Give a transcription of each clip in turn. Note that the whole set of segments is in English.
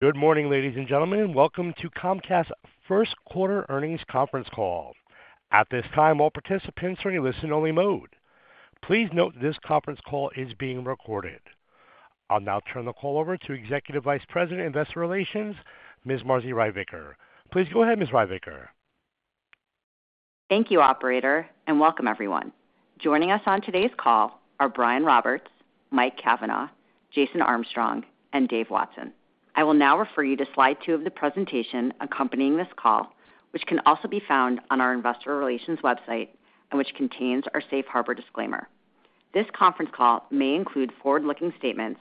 Good morning, ladies and gentlemen, and welcome to Comcast First Quarter Earnings Conference Call. At this time, all participants are in a listen-only mode. Please note that this conference call is being recorded. I'll now turn the call over to Executive Vice President Investor Relations, Ms. Marci Ryvicker. Please go ahead, Ms. Ryvicker. Thank you, Operator, and welcome, everyone. Joining us on today's call are Brian Roberts, Mike Cavanagh, Jason Armstrong, and Dave Watson. I will now refer you to slide two of the presentation accompanying this call, which can also be found on our Investor Relations website and which contains our Safe Harbor disclaimer. This Conference Call may include forward-looking statements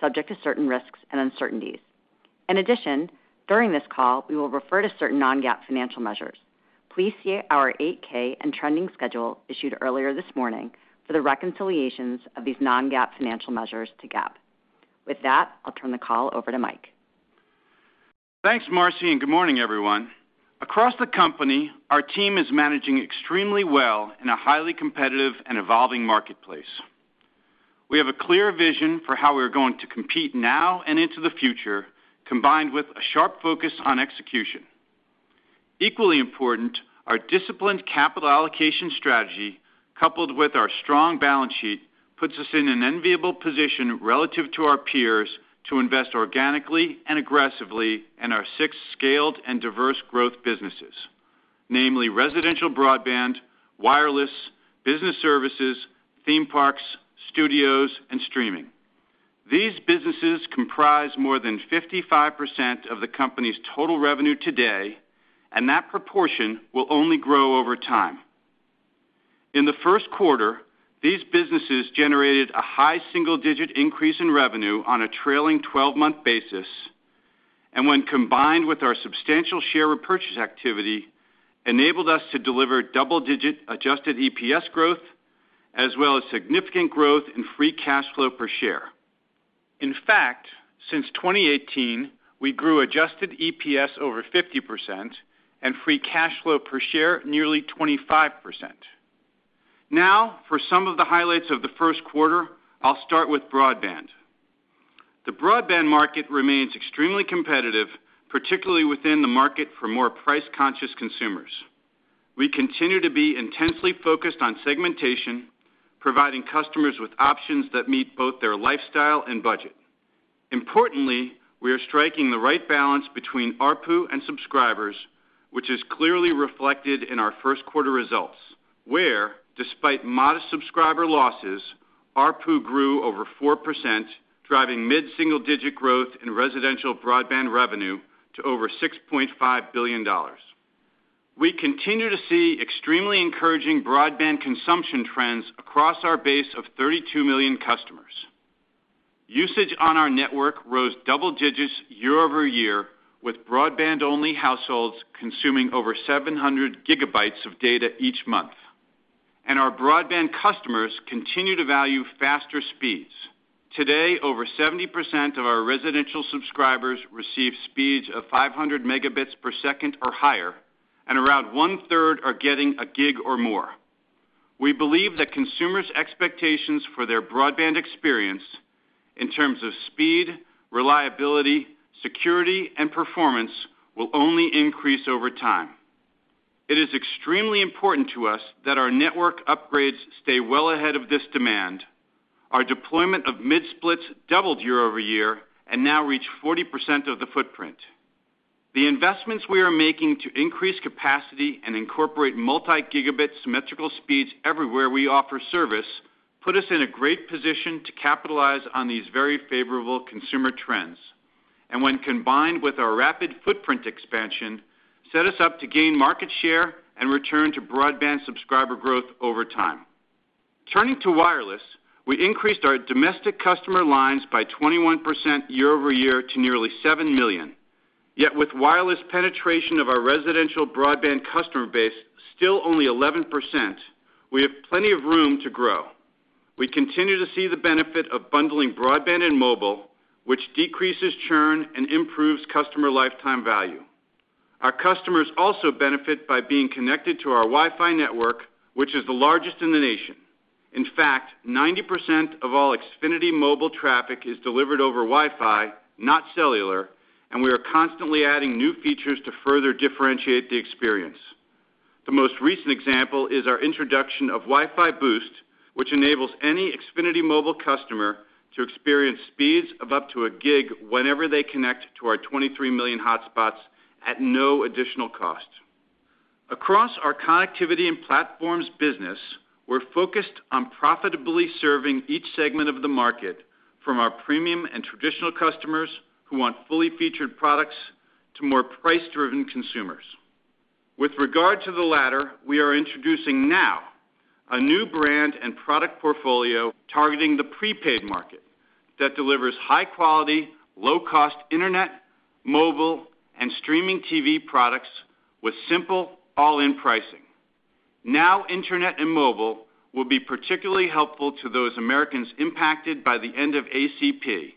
subject to certain risks and uncertainties. In addition, during this call, we will refer to certain non-GAAP financial measures. Please see our 8-K and trending schedule issued earlier this morning for the reconciliations of these non-GAAP financial measures to GAAP. With that, I'll turn the call over to Mike. Thanks, Marci, and good morning, everyone. Across the company, our team is managing extremely well in a highly competitive and evolving marketplace. We have a clear vision for how we are going to compete now and into the future, combined with a sharp focus on execution. Equally important, our disciplined capital allocation strategy, coupled with our strong balance sheet, puts us in an enviable position relative to our peers to invest organically and aggressively in our six scaled and diverse growth businesses, namely residential broadband, wireless, business services, theme parks, studios, and streaming. These businesses comprise more than 55% of the company's total revenue today, and that proportion will only grow over time. In the first quarter, these businesses generated a high single-digit increase in revenue on a trailing 12-month basis, and when combined with our substantial share repurchase activity, enabled us to deliver double-digit Adjusted EPS growth as well as significant growth in Free Cash Flow per share. In fact, since 2018, we grew Adjusted EPS over 50% and Free Cash Flow per share nearly 25%. Now, for some of the highlights of the first quarter, I'll start with broadband. The broadband market remains extremely competitive, particularly within the market for more price-conscious consumers. We continue to be intensely focused on segmentation, providing customers with options that meet both their lifestyle and budget. Importantly, we are striking the right balance between ARPU and subscribers, which is clearly reflected in our first quarter results, where, despite modest subscriber losses, ARPU grew over 4%, driving mid-single-digit growth in residential broadband revenue to over $6.5 billion. We continue to see extremely encouraging broadband consumption trends across our base of 32 million customers. Usage on our network rose double digits year-over-year, with broadband-only households consuming over 700 GB of data each month. Our broadband customers continue to value faster speeds. Today, over 70% of our residential subscribers receive speeds of 500 Mb or higher, and around 1\3 are getting a gig or more. We believe that consumers' expectations for their broadband experience, in terms of speed, reliability, security, and performance, will only increase over time. It is extremely important to us that our network upgrades stay well ahead of this demand. Our deployment of mid-splits doubled year-over-year and now reach 40% of the footprint. The investments we are making to increase capacity and incorporate multi-gigabit symmetrical speeds everywhere we offer service put us in a great position to capitalize on these very favorable consumer trends, and when combined with our rapid footprint expansion, set us up to gain market share and return to broadband subscriber growth over time. Turning to wireless, we increased our domestic customer lines by 21% year-over-year to nearly 7 million. Yet, with wireless penetration of our residential broadband customer base still only 11%, we have plenty of room to grow. We continue to see the benefit of bundling broadband and mobile, which decreases churn and improves customer lifetime value. Our customers also benefit by being connected to our Wi-Fi network, which is the largest in the nation. In fact, 90% of all Xfinity Mobile traffic is delivered over Wi-Fi, not cellular, and we are constantly adding new features to further differentiate the experience. The most recent example is our introduction of WiFi Boost, which enables any Xfinity Mobile customer to experience speeds of up to a gig whenever they connect to our 23 million hotspots at no additional cost. Across our connectivity and platforms business, we're focused on profitably serving each segment of the market, from our premium and traditional customers who want fully featured products to more price-driven consumers. With regard to the latter, we are introducing now a new brand and product portfolio targeting the prepaid market that delivers high-quality, low-cost internet, mobile, and streaming TV products with simple all-in pricing. Now, internet and mobile will be particularly helpful to those Americans impacted by the end of ACP,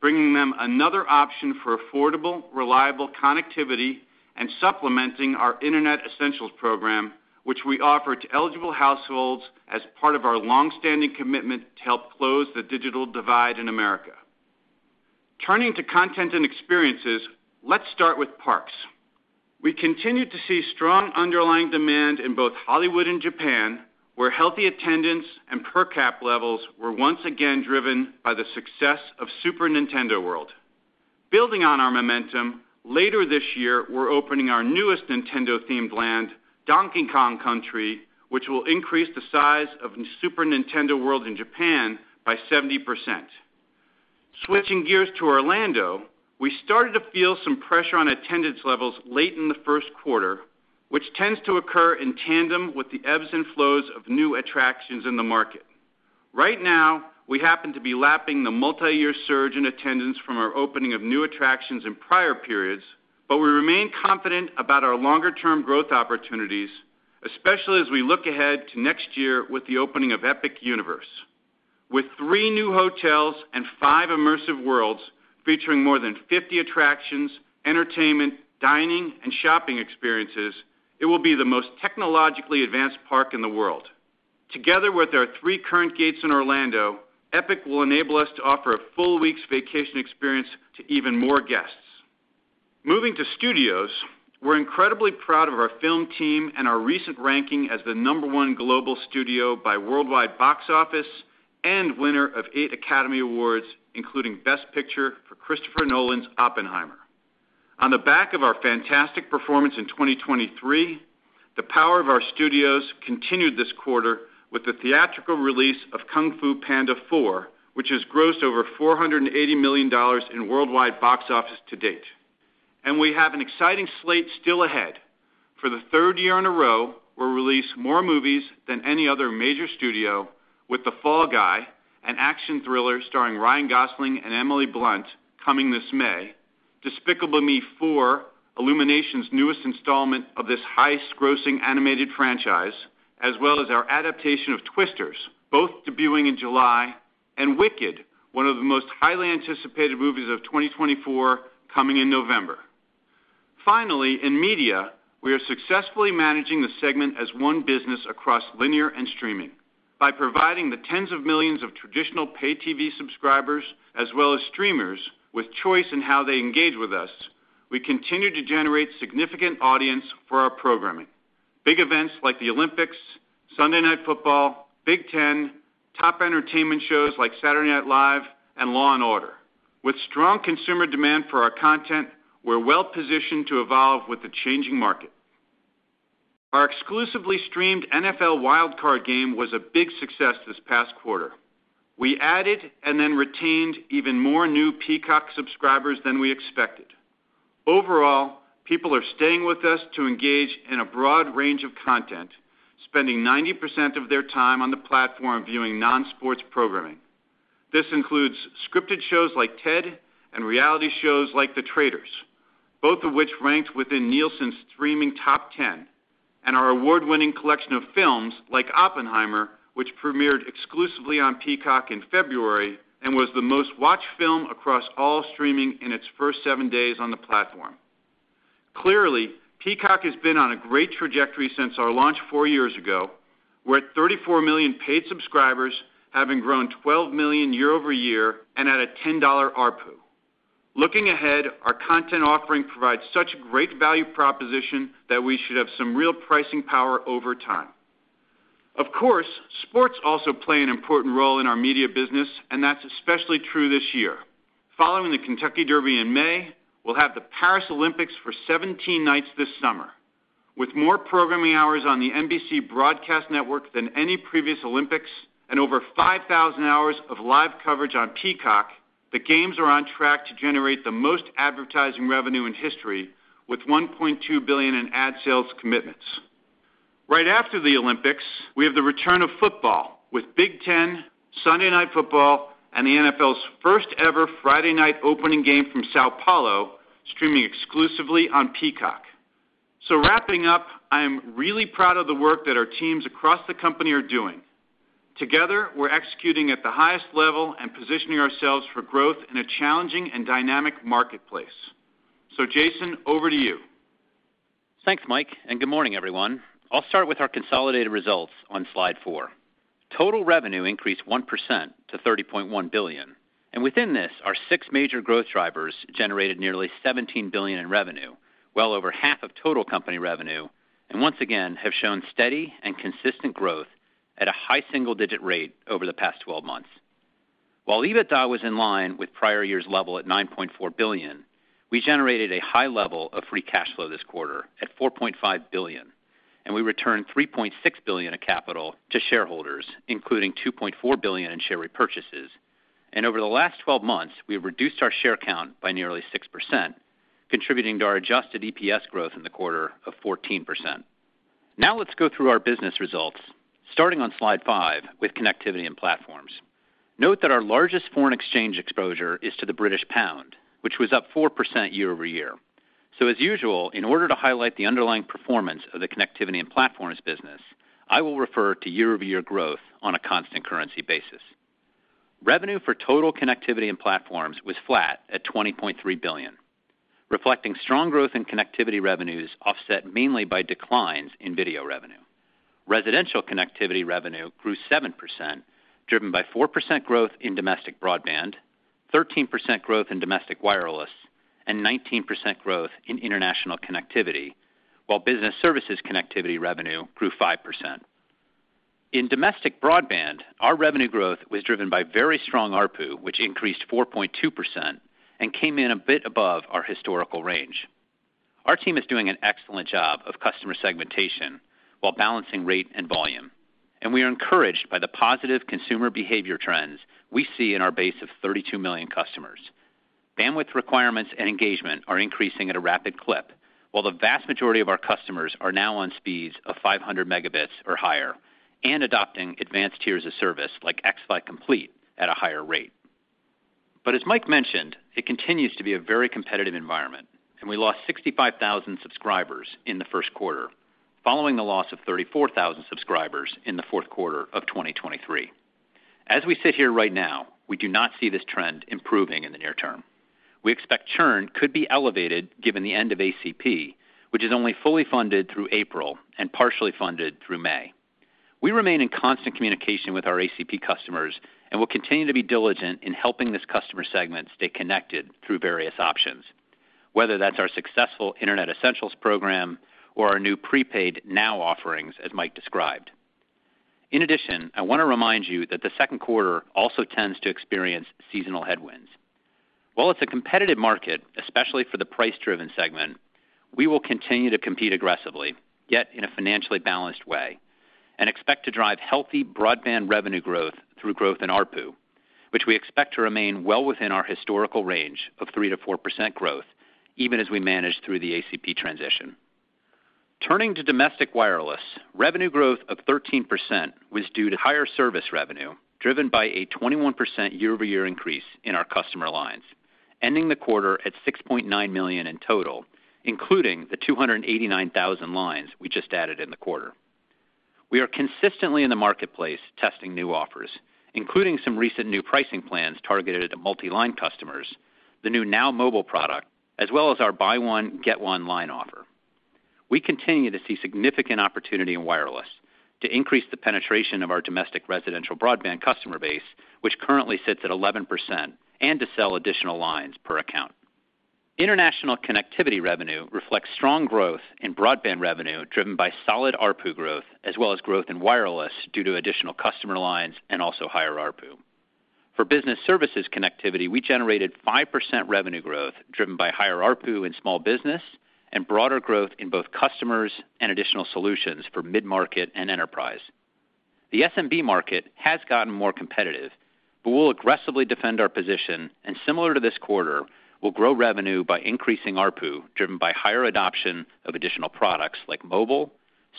bringing them another option for affordable, reliable connectivity and supplementing our Internet Essentials program, which we offer to eligible households as part of our longstanding commitment to help close the digital divide in America. Turning to content and experiences, let's start with parks. We continue to see strong underlying demand in both Hollywood and Japan, where healthy attendance and per cap levels were once again driven by the success of Super Nintendo World. Building on our momentum, later this year, we're opening our newest Nintendo-themed land, Donkey Kong Country, which will increase the size of Super Nintendo World in Japan by 70%. Switching gears to Orlando, we started to feel some pressure on attendance levels late in the first quarter, which tends to occur in tandem with the ebbs and flows of new attractions in the market. Right now, we happen to be lapping the multi-year surge in attendance from our opening of new attractions in prior periods, but we remain confident about our longer-term growth opportunities, especially as we look ahead to next year with the opening of Epic Universe. With three new hotels and five immersive worlds featuring more than 50 attractions, entertainment, dining, and shopping experiences, it will be the most technologically advanced park in the world. Together with our three current gates in Orlando, Epic will enable us to offer a full week's vacation experience to even more guests. Moving to studios, we're incredibly proud of our film team and our recent ranking as the number one global studio by worldwide box office and winner of eight Academy Awards, including Best Picture for Christopher Nolan's Oppenheimer. On the back of our fantastic performance in 2023, the power of our studios continued this quarter with the theatrical release of Kung Fu Panda four, which has grossed over $480 million in worldwide box office to date. We have an exciting slate still ahead. For the third year in a row, we'll release more movies than any other major studio, with The Fall Guy, an action thriller starring Ryan Gosling and Emily Blunt coming this May, Despicable Me four Illumination's newest installment of this high-grossing animated franchise, as well as our adaptation of Twisters, both debuting in July, and Wicked, one of the most highly anticipated movies of 2024 coming in November. Finally, in media, we are successfully managing the segment as one business across linear and streaming. By providing the tens of millions of traditional pay-TV subscribers as well as streamers with choice in how they engage with us, we continue to generate significant audience for our programming: big events like the Olympics, Sunday Night Football, Big Ten, top entertainment shows like Saturday Night Live, and Law & Order. With strong consumer demand for our content, we're well-positioned to evolve with the changing market. Our exclusively streamed NFL wildcard game was a big success this past quarter. We added and then retained even more new Peacock subscribers than we expected. Overall, people are staying with us to engage in a broad range of content, spending 90% of their time on the platform viewing non-sports programming. This includes scripted shows like Ted and reality shows like The Traitors, both of which ranked within Nielsen's streaming top 10, and our award-winning collection of films like Oppenheimer, which premiered exclusively on Peacock in February and was the most-watched film across all streaming in its first seven days on the platform. Clearly, Peacock has been on a great trajectory since our launch four years ago, where 34 million paid subscribers have grown 12 million year-over-year and at a $10 ARPU. Looking ahead, our content offering provides such a great value proposition that we should have some real pricing power over time. Of course, sports also play an important role in our media business, and that's especially true this year. Following the Kentucky Derby in May, we'll have the Paris Olympics for 17 nights this summer. With more programming hours on the NBC broadcast network than any previous Olympics and over 5,000 hours of live coverage on Peacock, the games are on track to generate the most advertising revenue in history, with $1.2 billion in ad sales commitments. Right after the Olympics, we have the return of football, with Big Ten, Sunday Night Football, and the NFL's first-ever Friday night opening game from São Paulo streaming exclusively on Peacock. So wrapping up, I am really proud of the work that our teams across the company are doing. Together, we're executing at the highest level and positioning ourselves for growth in a challenging and dynamic marketplace. So, Jason, over to you. Thanks, Mike, and good morning, everyone. I'll start with our consolidated results on slide four. Total revenue increased 1% to $30.1 billion, and within this, our six major growth drivers generated nearly $17 billion in revenue, well over half of total company revenue, and once again have shown steady and consistent growth at a high single-digit rate over the past 12 months. While EBITDA was in line with prior year's level at $9.4 billion, we generated a high level of Free Cash Flow this quarter at $4.5 billion, and we returned $3.6 billion of capital to shareholders, including $2.4 billion in share repurchases. Over the last 12 months, we have reduced our share count by nearly 6%, contributing to our Adjusted EPS growth in the quarter of 14%. Now let's go through our business results, starting on slide five with connectivity and platforms. Note that our largest foreign exchange exposure is to the British pound, which was up 4% year-over-year. So, as usual, in order to highlight the underlying performance of the connectivity and platforms business, I will refer to year-over-year growth on a constant currency basis. Revenue for total connectivity and platforms was flat at $20.3 billion, reflecting strong growth in connectivity revenues offset mainly by declines in video revenue. Residential connectivity revenue grew 7%, driven by 4% growth in domestic broadband, 13% growth in domestic wireless, and 19% growth in international connectivity, while business services connectivity revenue grew 5%. In domestic broadband, our revenue growth was driven by very strong ARPU, which increased 4.2% and came in a bit above our historical range. Our team is doing an excellent job of customer segmentation while balancing rate and volume, and we are encouraged by the positive consumer behavior trends we see in our base of 32 million customers. Bandwidth requirements and engagement are increasing at a rapid clip, while the vast majority of our customers are now on speeds of 500 Mbps or higher and adopting advanced tiers of service like xFi Complete at a higher rate. But as Mike mentioned, it continues to be a very competitive environment, and we lost 65,000 subscribers in the first quarter, following the loss of 34,000 subscribers in the fourth quarter of 2023. As we sit here right now, we do not see this trend improving in the near term. We expect churn could be elevated given the end of ACP, which is only fully funded through April and partially funded through May. We remain in constant communication with our ACP customers and will continue to be diligent in helping this customer segment stay connected through various options, whether that's our successful Internet Essentials program or our new prepaid NOW offerings, as Mike described. In addition, I want to remind you that the second quarter also tends to experience seasonal headwinds. While it's a competitive market, especially for the price-driven segment, we will continue to compete aggressively, yet in a financially balanced way, and expect to drive healthy broadband revenue growth through growth in ARPU, which we expect to remain well within our historical range of 3%-4% growth, even as we manage through the ACP transition. Turning to domestic wireless, revenue growth of 13% was due to higher service revenue driven by a 21% year-over-year increase in our customer lines, ending the quarter at 6.9 million in total, including the 289,000 lines we just added in the quarter. We are consistently in the marketplace testing new offers, including some recent new pricing plans targeted at multi-line customers, the new NOW Mobile product, as well as our Buy One, Get One line offer. We continue to see significant opportunity in wireless to increase the penetration of our domestic residential broadband customer base, which currently sits at 11%, and to sell additional lines per account. International connectivity revenue reflects strong growth in broadband revenue driven by solid ARPU growth, as well as growth in wireless due to additional customer lines and also higher ARPU. For business services connectivity, we generated 5% revenue growth driven by higher ARPU in small business and broader growth in both customers and additional solutions for mid-market and enterprise. The SMB market has gotten more competitive, but we'll aggressively defend our position, and similar to this quarter, we'll grow revenue by increasing ARPU driven by higher adoption of additional products like mobile,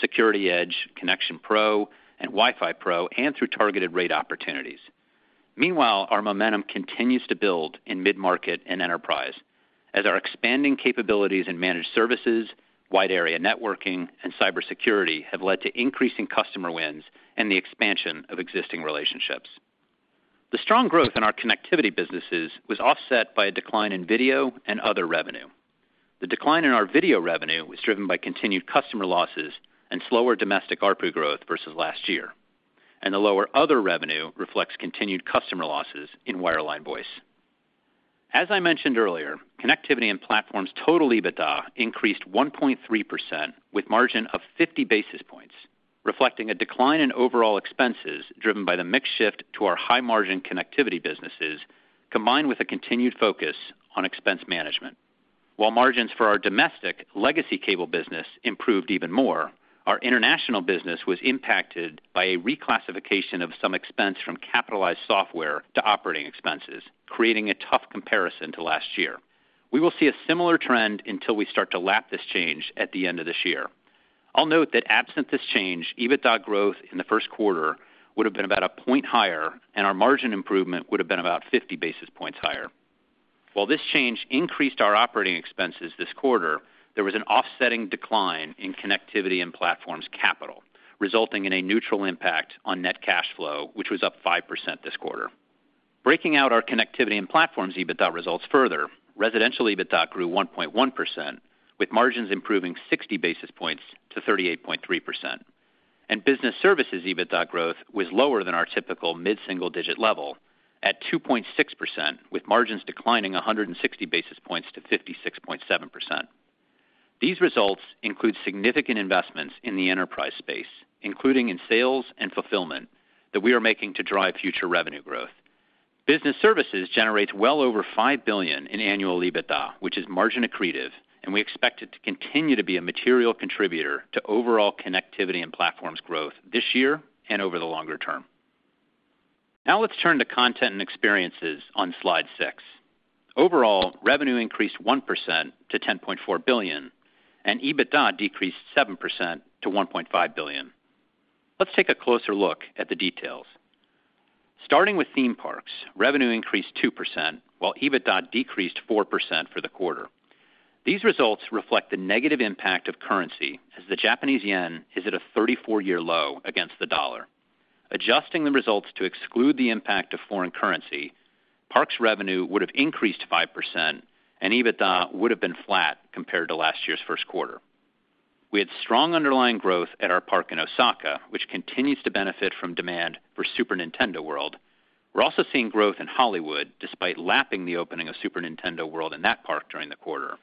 SecurityEdge, Connection Pro, and WiFi Pro, and through targeted rate opportunities. Meanwhile, our momentum continues to build in mid-market and enterprise, as our expanding capabilities in managed services, wide-area networking, and cybersecurity have led to increasing customer wins and the expansion of existing relationships. The strong growth in our connectivity businesses was offset by a decline in video and other revenue. The decline in our video revenue was driven by continued customer losses and slower domestic ARPU growth versus last year, and the lower other revenue reflects continued customer losses in wireline voice. As I mentioned earlier, connectivity and platforms total EBITDA increased 1.3% with a margin of 50 basis points, reflecting a decline in overall expenses driven by the mixed shift to our high-margin connectivity businesses, combined with a continued focus on expense management. While margins for our domestic legacy cable business improved even more, our international business was impacted by a reclassification of some expense from capitalized software to operating expenses, creating a tough comparison to last year. We will see a similar trend until we start to lap this change at the end of this year. I'll note that absent this change, EBITDA growth in the first quarter would have been about a point higher, and our margin improvement would have been about 50 basis points higher. While this change increased our operating expenses this quarter, there was an offsetting decline in connectivity and platforms capital, resulting in a neutral impact on net cash flow, which was up 5% this quarter. Breaking out our connectivity and platforms EBITDA results further, residential EBITDA grew 1.1%, with margins improving 60 basis points to 38.3%. Business services EBITDA growth was lower than our typical mid-single-digit level at 2.6%, with margins declining 160 basis points to 56.7%. These results include significant investments in the enterprise space, including in sales and fulfillment, that we are making to drive future revenue growth. Business services generates well over $5 billion in annual EBITDA, which is margin accretive, and we expect it to continue to be a material contributor to overall connectivity and platforms growth this year and over the longer term. Now let's turn to content and experiences on slide 6. Overall, revenue increased 1% -$10.4 billion, and EBITDA decreased 7% -$1.5 billion. Let's take a closer look at the details. Starting with theme parks, revenue increased 2% while EBITDA decreased 4% for the quarter. These results reflect the negative impact of currency, as the Japanese yen is at a 34-year low against the dollar. Adjusting the results to exclude the impact of foreign currency, parks revenue would have increased 5%, and EBITDA would have been flat compared to last year's first quarter. We had strong underlying growth at our park in Osaka, which continues to benefit from demand for Super Nintendo World. We're also seeing growth in Hollywood despite lapping the opening of Super Nintendo World in that park during the quarter.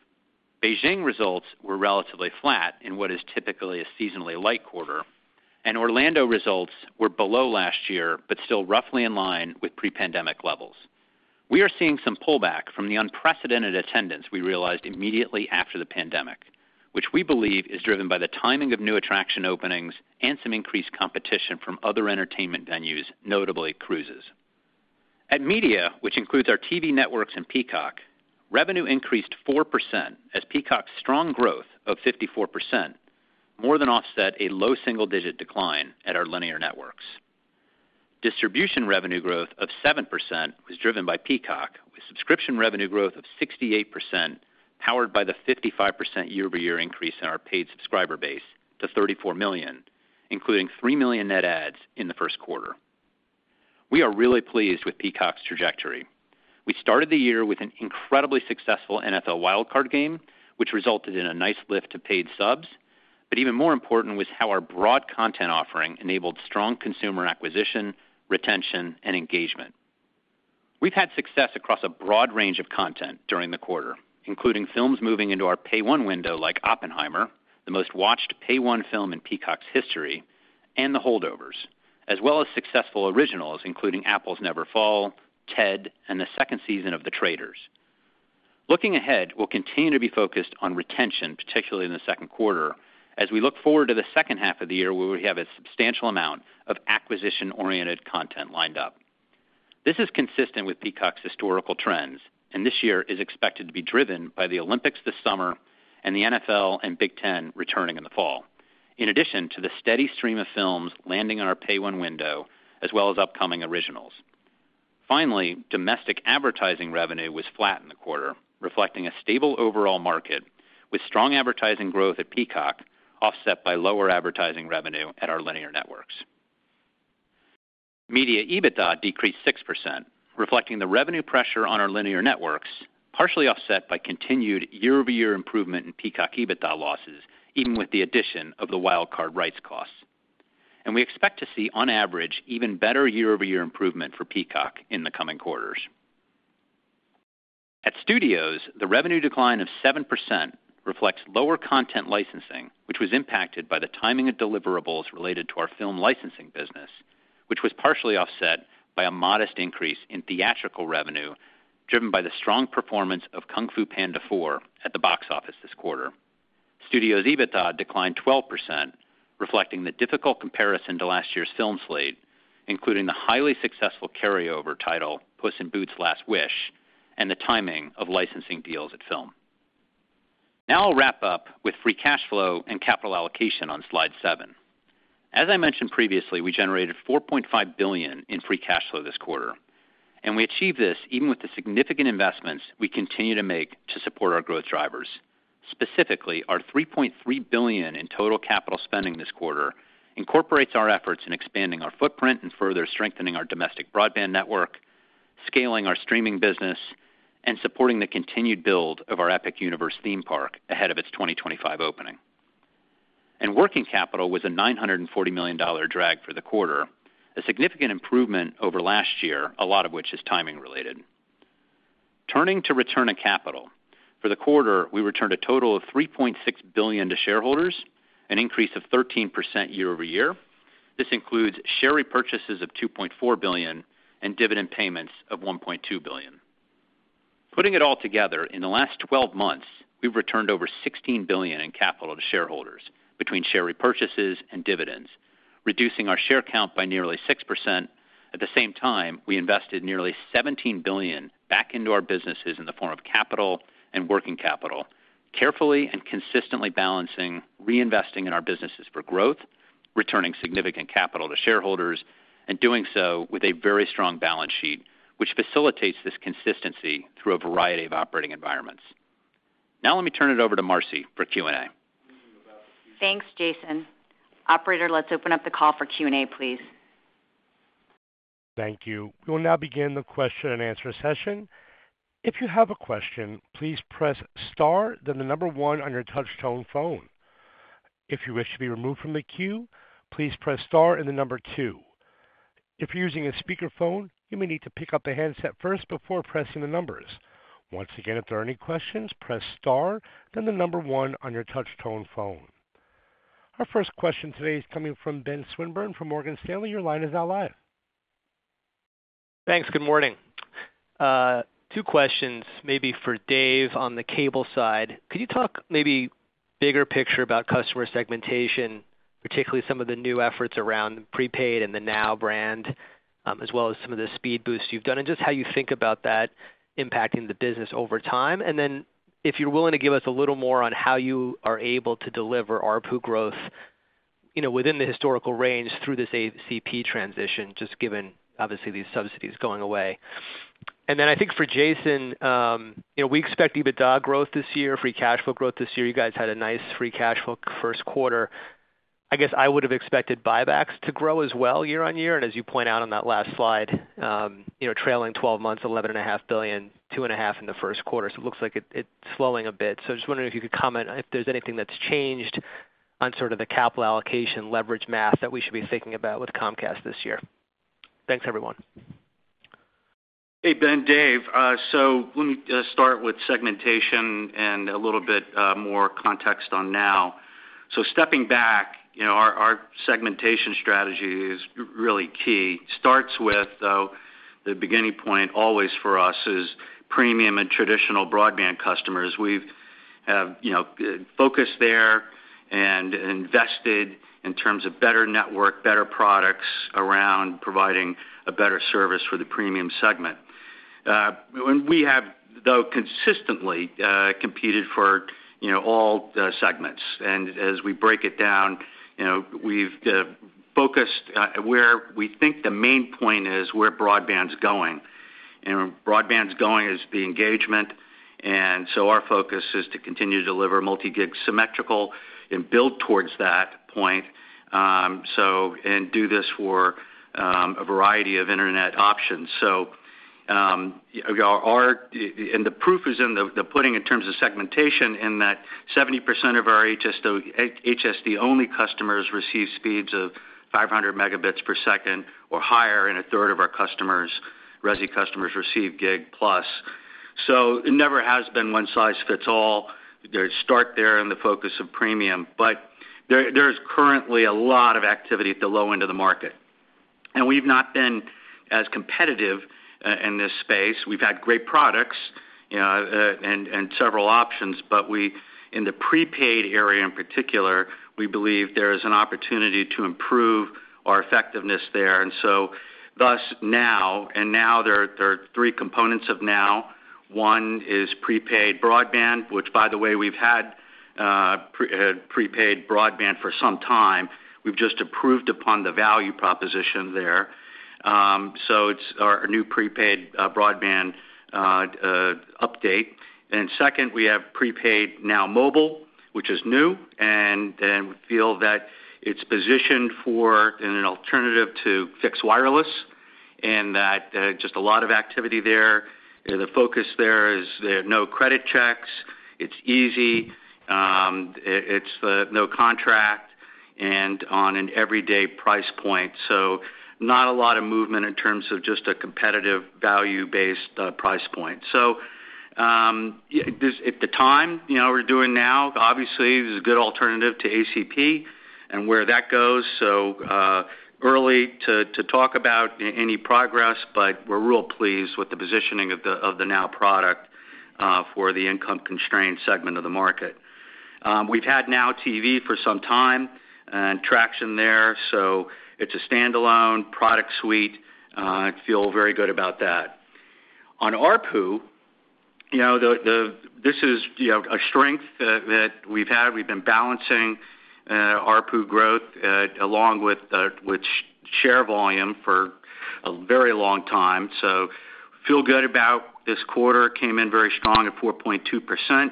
Beijing results were relatively flat in what is typically a seasonally light quarter, and Orlando results were below last year but still roughly in line with pre-pandemic levels. We are seeing some pullback from the unprecedented attendance we realized immediately after the pandemic, which we believe is driven by the timing of new attraction openings and some increased competition from other entertainment venues, notably cruises. At media, which includes our TV networks and Peacock, revenue increased 4% as Peacock's strong growth of 54% more than offset a low single-digit decline at our linear networks. Distribution revenue growth of 7% was driven by Peacock, with subscription revenue growth of 68% powered by the 55% year-over-year increase in our paid subscriber base to 34 million, including 3 million net adds in the first quarter. We are really pleased with Peacock's trajectory. We started the year with an incredibly successful NFL wild-card game, which resulted in a nice lift to paid subs, but even more important was how our broad content offering enabled strong consumer acquisition, retention, and engagement. We've had success across a broad range of content during the quarter, including films moving into our Pay One window like Oppenheimer, the most watched Pay One film in Peacock's history, and The Holdovers, as well as successful originals including Apples Never Fall, Ted, and the second season of The Traitors. Looking ahead, we'll continue to be focused on retention, particularly in the second quarter, as we look forward to the second half of the year where we have a substantial amount of acquisition-oriented content lined up. This is consistent with Peacock's historical trends, and this year is expected to be driven by the Olympics this summer and the NFL and Big Ten returning in the fall, in addition to the steady stream of films landing in our Pay One window as well as upcoming originals. Finally, domestic advertising revenue was flat in the quarter, reflecting a stable overall market with strong advertising growth at Peacock offset by lower advertising revenue at our linear networks. Media EBITDA decreased 6%, reflecting the revenue pressure on our linear networks, partially offset by continued year-over-year improvement in Peacock EBITDA losses even with the addition of the wildcard rights costs. We expect to see, on average, even better year-over-year improvement for Peacock in the coming quarters. At studios, the revenue decline of 7% reflects lower content licensing, which was impacted by the timing of deliverables related to our film licensing business, which was partially offset by a modest increase in theatrical revenue driven by the strong performance of Kung Fu Panda four at the box office this quarter. Studios' EBITDA declined 12%, reflecting the difficult comparison to last year's film slate, including the highly successful carryover title Puss in Boots: Last Wish and the timing of licensing deals at film. Now I'll wrap up with free cash flow and capital allocation on slide seven. As I mentioned previously, we generated $4.5 billion in free cash flow this quarter, and we achieved this even with the significant investments we continue to make to support our growth drivers. Specifically, our $3.3 billion in total capital spending this quarter incorporates our efforts in expanding our footprint and further strengthening our domestic broadband network, scaling our streaming business, and supporting the continued build of our Epic Universe theme park ahead of its 2025 opening. Working capital was a $940 million drag for the quarter, a significant improvement over last year, a lot of which is timing related. Turning to return to capital, for the quarter, we returned a total of $3.6 billion to shareholders, an increase of 13% year-over-year. This includes share repurchases of $2.4 billion and dividend payments of $1.2 billion. Putting it all together, in the last 12 months, we've returned over $16 billion in capital to shareholders between share repurchases and dividends, reducing our share count by nearly 6%. At the same time, we invested nearly $17 billion back into our businesses in the form of capital and working capital, carefully and consistently balancing reinvesting in our businesses for growth, returning significant capital to shareholders, and doing so with a very strong balance sheet, which facilitates this consistency through a variety of operating environments. Now let me turn it over to Marci for Q&A. Thanks, Jason. Operator, let's open up the call for Q&A, please. Thank you. We will now begin the question and answer session. If you have a question, please press star, then 1 on your touch-tone phone. If you wish to be removed from the queue, please Press Star and two. If you're using a speakerphone, you may need to pick up the handset first before pressing the numbers. Once again, if there are any questions, Press Star, then one on your touch-tone phone. Our first question today is coming from Ben Swinburne from Morgan Stanley. Your line is now live. Thanks. Good morning. Two questions, maybe for Dave on the cable side. Could you talk maybe bigger picture about customer segmentation, particularly some of the new efforts around the prepaid and the Now brand, as well as some of the speed boosts you've done, and just how you think about that impacting the business over time? And then if you're willing to give us a little more on how you are able to deliver ARPU growth within the historical range through this ACP transition, just given, obviously, these subsidies going away. And then I think for Jason, we expect EBITDA growth this year, free cash flow growth this year. You guys had a nice free cash flow first quarter. I guess I would have expected buybacks to grow as well year-over-year. As you point out on that last slide, trailing 12 months, $11.5 billion, $2.5 in the first quarter. So it looks like it's slowing a bit. So I just wondered if you could comment if there's anything that's changed on sort of the capital allocation leverage math that we should be thinking about with Comcast this year. Thanks, everyone. Hey, Ben, Dave. So let me start with segmentation and a little bit more context on NOW. So stepping back, our segmentation strategy is really key. Starts with, though, the beginning point always for us is premium and traditional broadband customers. We've focused there and invested in terms of better network, better products around providing a better service for the premium segment. And we have, though, consistently competed for all segments. And as we break it down, we've focused where we think the main point is where broadband's going. And broadband's going is the engagement. And so our focus is to continue to deliver multi-gig symmetrical and build towards that point and do this for a variety of internet options. The proof is in the pudding in terms of segmentation in that 70% of our HSD-only customers receive speeds of 500 Mbps or higher, and a third of our customers, RESI customers, receive gig-plus. So it never has been one size fits all. They start there in the focus of premium. But there's currently a lot of activity at the low end of the market. We've not been as competitive in this space. We've had great products and several options. But in the prepaid area in particular, we believe there is an opportunity to improve our effectiveness there. And so thus, NOW and NOW, there are three components of NOW. One is prepaid broadband, which, by the way, we've had prepaid broadband for some time. We've just improved upon the value proposition there. So it's our new prepaid broadband update. And second, we have prepaid NOW Mobile, which is new. We feel that it's positioned as an alternative to fixed wireless and that just a lot of activity there. The focus there is there are no credit checks. It's easy. It's no contract and on an everyday price point. So not a lot of movement in terms of just a competitive value-based price point. So at the time, what we're doing now, obviously, is a good alternative to ACP and where that goes. So early to talk about any progress, but we're real pleased with the positioning of the NOW product for the income-constrained segment of the market. We've had NOW TV for some time and traction there. So it's a standalone product suite. I feel very good about that. On ARPU, this is a strength that we've had. We've been balancing ARPU growth along with share volume for a very long time. So feel good about this quarter. Came in very strong at 4.2%,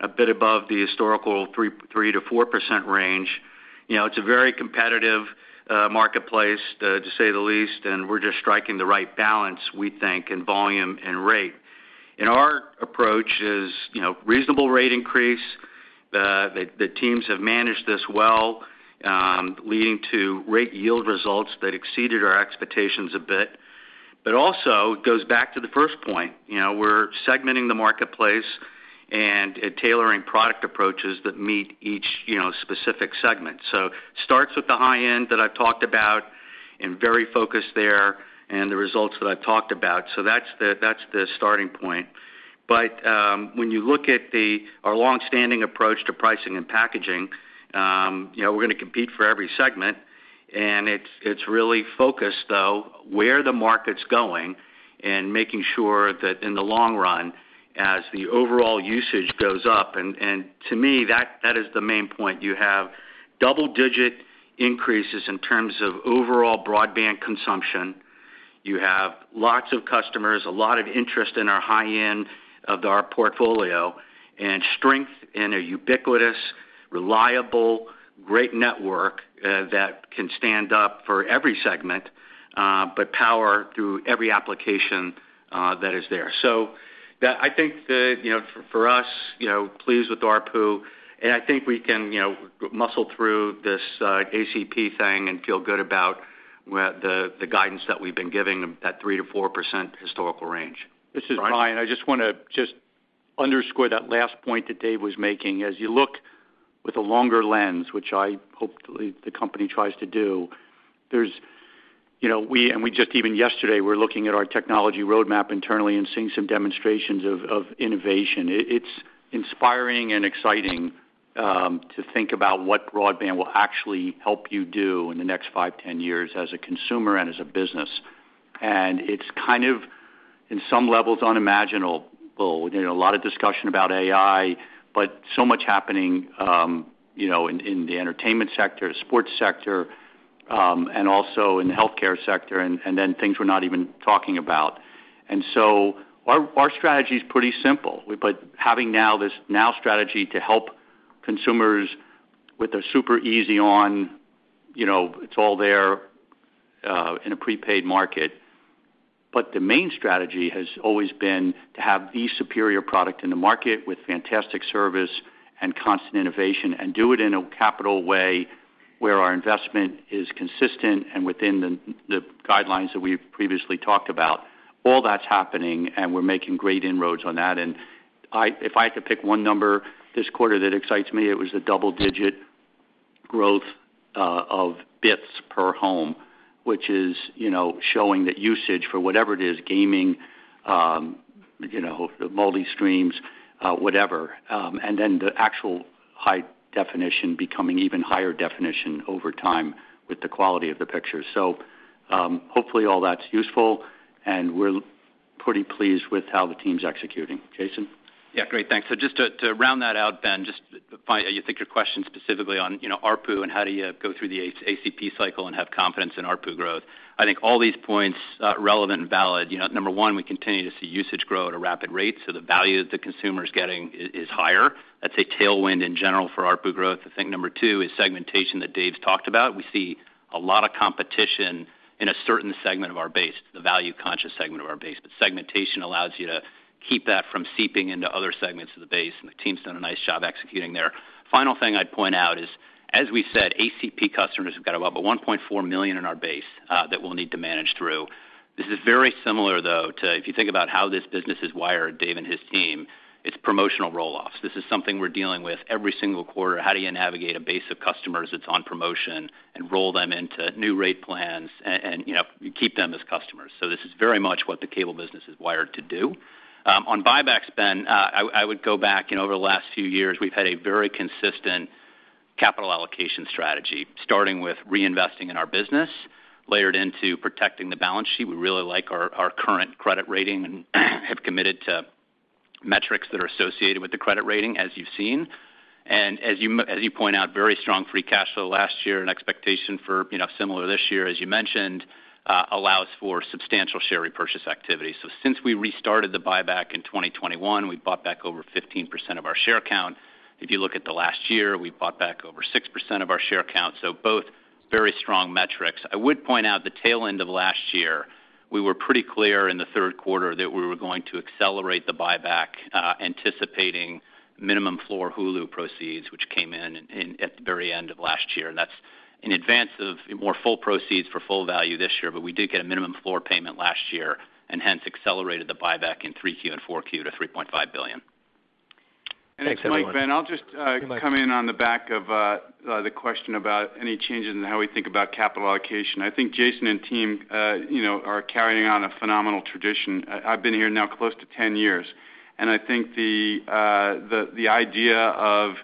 a bit above the historical 3%-4% range. It's a very competitive marketplace, to say the least. And we're just striking the right balance, we think, in volume and rate. And our approach is reasonable rate increase. The teams have managed this well, leading to rate yield results that exceeded our expectations a bit. But also, it goes back to the first point. We're segmenting the marketplace and tailoring product approaches that meet each specific segment. So starts with the high end that I've talked about and very focused there and the results that I've talked about. So that's the starting point. But when you look at our longstanding approach to pricing and packaging, we're going to compete for every segment. And it's really focused, though, where the market's going and making sure that in the long run, as the overall usage goes up and to me, that is the main point. You have double-digit increases in terms of overall broadband consumption. You have lots of customers, a lot of interest in our high end of our portfolio, and strength in a ubiquitous, reliable, great network that can stand up for every segment but power through every application that is there. So I think that for us, pleased with ARPU. And I think we can muscle through this ACP thing and feel good about the guidance that we've been giving, that 3%-4% historical range. This is Brian. I just want to just underscore that last point that Dave was making. As you look with a longer lens, which I hope the company tries to do, there's and we just even yesterday, we're looking at our technology roadmap internally and seeing some demonstrations of innovation. It's inspiring and exciting to think about what broadband will actually help you do in the next 5, 10 years as a consumer and as a business. It's kind of, in some levels, unimaginable. A lot of discussion about AI, but so much happening in the entertainment sector, sports sector, and also in the healthcare sector, and then things we're not even talking about. Our strategy is pretty simple. Having now this NOW strategy to help consumers with their super easy-on, it's all there in a prepaid market. But the main strategy has always been to have the superior product in the market with fantastic service and constant innovation and do it in a capital way where our investment is consistent and within the guidelines that we've previously talked about. All that's happening, and we're making great inroads on that. And if I had to pick one number this quarter that excites me, it was the double-digit growth of bits per home, which is showing that usage for whatever it is, gaming, the multi-streams, whatever, and then the actual high definition becoming even higher definition over time with the quality of the picture. So hopefully, all that's useful. And we're pretty pleased with how the team's executing. Jason? Yeah. Great. Thanks. So just to round that out, Ben, just you think your question specifically on ARPU and how do you go through the ACP cycle and have confidence in ARPU growth. I think all these points are relevant and valid. Number one, we continue to see usage grow at a rapid rate. So the value that the consumer's getting is higher. That's a tailwind in general for ARPU growth. I think number two is segmentation that Dave's talked about. We see a lot of competition in a certain segment of our base, the value-conscious segment of our base. But segmentation allows you to keep that from seeping into other segments of the base. And the team's done a nice job executing there. Final thing I'd point out is, as we said, ACP customers, we've got about 1.4 million in our base that we'll need to manage through. This is very similar, though, to if you think about how this business is wired. Dave and his team, it's promotional rolloffs. This is something we're dealing with every single quarter. How do you navigate a base of customers that's on promotion and roll them into new rate plans and keep them as customers? So this is very much what the cable business is wired to do. On buybacks, Ben, I would go back. Over the last few years, we've had a very consistent capital allocation strategy, starting with reinvesting in our business, layered into protecting the balance sheet. We really like our current credit rating and have committed to metrics that are associated with the credit rating, as you've seen. And as you point out, very strong free cash flow last year and expectation for similar this year, as you mentioned, allows for substantial share repurchase activity. Since we restarted the buyback in 2021, we bought back over 15% of our share count. If you look at the last year, we bought back over 6% of our share count. Both very strong metrics. I would point out the tail end of last year, we were pretty clear in the third quarter that we were going to accelerate the buyback, anticipating minimum floor Hulu proceeds, which came in at the very end of last year. That's in advance of more full proceeds for full value this year. We did get a minimum floor payment last year and hence accelerated the buyback in 3Q and 4Q to $3.5 billion. Thanks, everyone. Thanks, Mike. Ben, I'll just come in on the back of the question about any changes in how we think about capital allocation. I think Jason and team are carrying on a phenomenal tradition. I've been here now close to 10 years. I think the idea of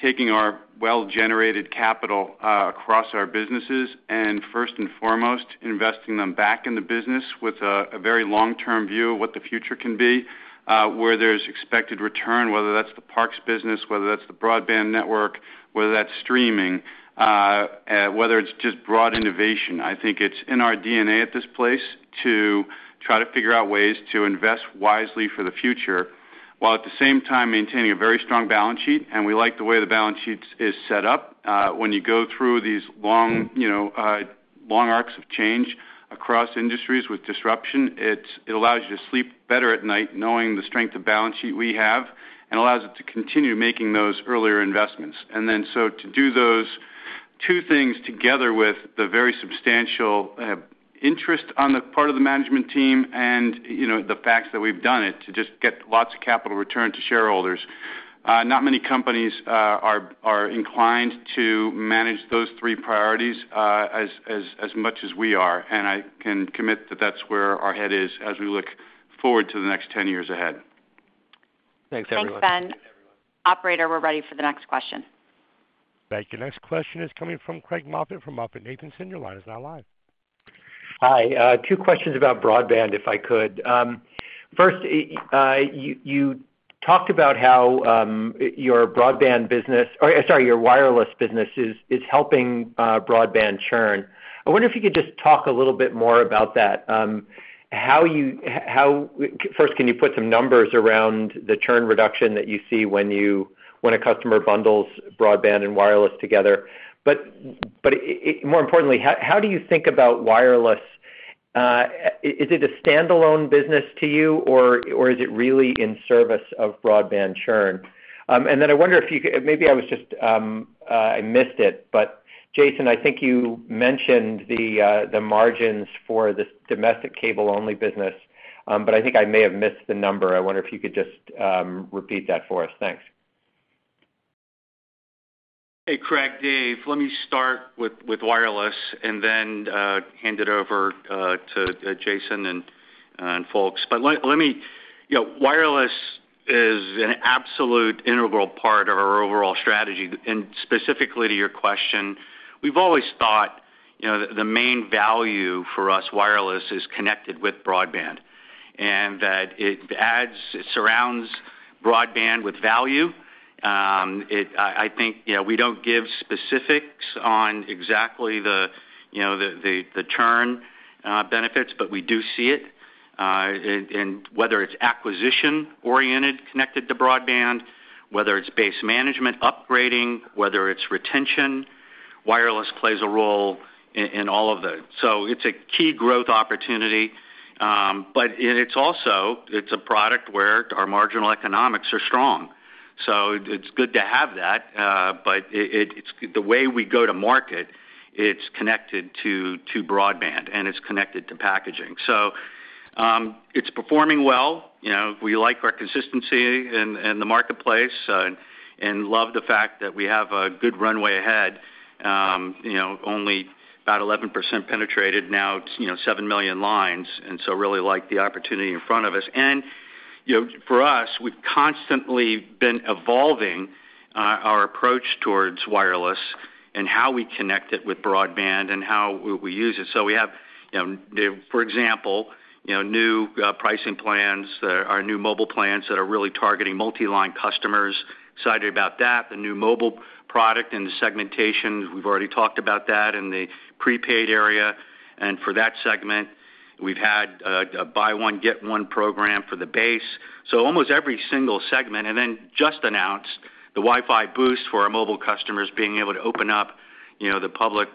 taking our well-generated capital across our businesses and first and foremost investing them back in the business with a very long-term view of what the future can be, where there's expected return, whether that's the parks business, whether that's the broadband network, whether that's streaming, whether it's just broad innovation. I think it's in our DNA at this place to try to figure out ways to invest wisely for the future while at the same time maintaining a very strong balance sheet. We like the way the balance sheet is set up. When you go through these long arcs of change across industries with disruption, it allows you to sleep better at night knowing the strength of balance sheet we have and allows it to continue making those earlier investments. And then so to do those two things together with the very substantial interest on the part of the management team and the facts that we've done it to just get lots of capital return to shareholders, not many companies are inclined to manage those three priorities as much as we are. And I can commit that that's where our head is as we look forward to the next 10 years ahead. Thanks, everyone. Thanks, Ben. Operator, we're ready for the next question. Thank you. Next question is coming from Craig Moffitt from MoffittNathanson. Your line is now live. Hi. Two questions about broadband, if I could. First, you talked about how your broadband business or sorry, your wireless business is helping broadband churn. I wonder if you could just talk a little bit more about that. First, can you put some numbers around the churn reduction that you see when a customer bundles broadband and wireless together? But more importantly, how do you think about wireless? Is it a standalone business to you, or is it really in service of broadband churn? And then I wonder if you could maybe I was just I missed it. But Jason, I think you mentioned the margins for this domestic cable-only business. But I think I may have missed the number. I wonder if you could just repeat that for us. Thanks. Hey, Craig, Dave. Let me start with wireless and then hand it over to Jason and folks. But let me wireless is an absolute integral part of our overall strategy. And specifically to your question, we've always thought the main value for us, wireless, is connected with broadband and that it adds it surrounds broadband with value. I think we don't give specifics on exactly the churn benefits, but we do see it. And whether it's acquisition-oriented connected to broadband, whether it's base management upgrading, whether it's retention, wireless plays a role in all of the so it's a key growth opportunity. But it's also it's a product where our marginal economics are strong. So it's good to have that. But the way we go to market, it's connected to broadband, and it's connected to packaging. So it's performing well. We like our consistency in the marketplace and love the fact that we have a good runway ahead, only about 11% penetrated. Now, it's 7 million lines. So really like the opportunity in front of us. For us, we've constantly been evolving our approach towards wireless and how we connect it with broadband and how we use it. So we have, for example, new pricing plans, our new mobile plans that are really targeting multi-line customers. Excited about that. The new mobile product and the segmentations, we've already talked about that in the prepaid area. For that segment, we've had a buy-one, get-one program for the base. So almost every single segment, and then just announced the WiFi Boost for our mobile customers being able to open up the public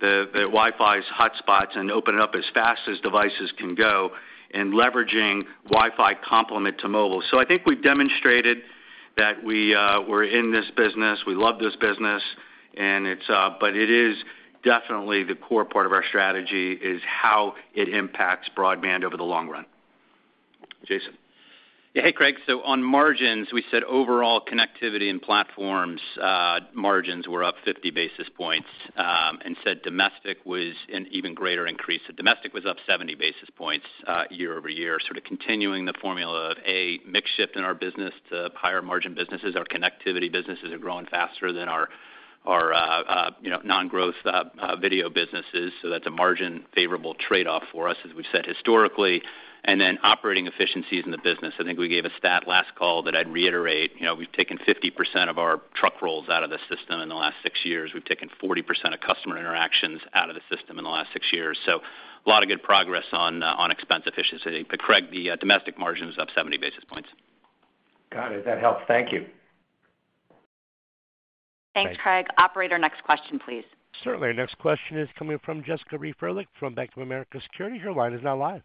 WiFi hotspots and open it up as fast as devices can go and leveraging WiFi complement to mobile. So I think we've demonstrated that we're in this business. We love this business. But it is definitely the core part of our strategy is how it impacts broadband over the long run. Jason? Yeah. Hey, Craig. So on margins, we said overall connectivity and platforms margins were up 50 basis points and said domestic was an even greater increase. So domestic was up 70 basis points year-over-year, sort of continuing the formula of, A, mixed shift in our business to higher margin businesses. Our connectivity businesses are growing faster than our non-growth video businesses. So that's a margin-favorable trade-off for us, as we've said historically. And then operating efficiencies in the business. I think we gave a stat last call that I'd reiterate. We've taken 50% of our truck rolls out of the system in the last six years. We've taken 40% of customer interactions out of the system in the last six years. So a lot of good progress on expense efficiency. But Craig, the domestic margin was up 70 basis points. Got it. That helps. Thank you. Thanks, Craig. Operator, next question, please. Certainly. Our next question is coming from Jessica Reif Ehrlich from Bank of America Securities. Her line is now live.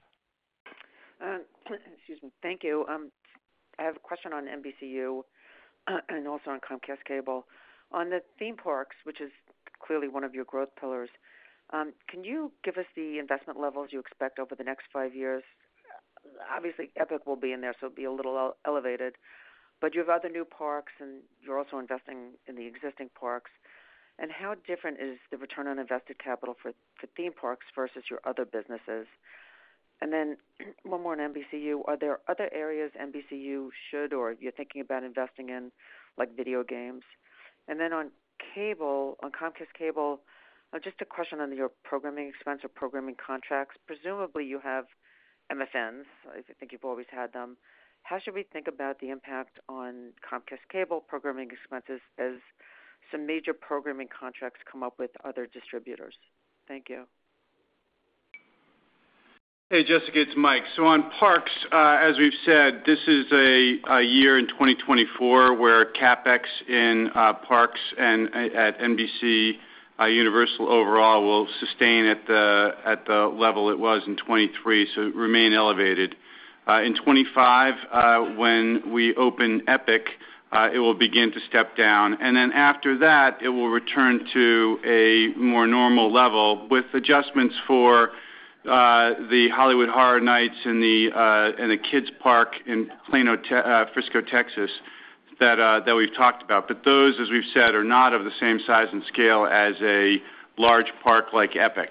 Excuse me. Thank you. I have a question on NBCU and also on Comcast Cable. On the theme parks, which is clearly one of your growth pillars, can you give us the investment levels you expect over the next five years? Obviously, Epic will be in there, so it'll be a little elevated. But you have other new parks, and you're also investing in the existing parks. And how different is the return on invested capital for theme parks versus your other businesses? And then one more on NBCU. Are there other areas NBCU should or you're thinking about investing in, like video games? And then on Cable, on Comcast Cable, just a question on your programming expense or programming contracts. Presumably, you have MFNs. I think you've always had them. How should we think about the impact on Comcast Cable programming expenses as some major programming contracts come up with other distributors? Thank you. Hey, Jessica. It's Mike. So on parks, as we've said, this is a year in 2024 where CapEx in parks and at NBCUniversal overall will sustain at the level it was in 2023, so remain elevated. In 2025, when we open Epic, it will begin to step down. And then after that, it will return to a more normal level with adjustments for the Hollywood Horror Nights and the kids' park in Frisco, Texas, that we've talked about. But those, as we've said, are not of the same size and scale as a large park like Epic.